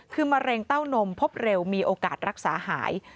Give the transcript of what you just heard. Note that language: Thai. คือมะเร็งเต้านมพบเร็วมีโอกาสรักษาหาย